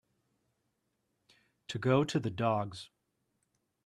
To go to the dogs